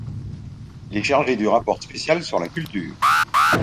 Il est chargé du rapport spécial sur la culture.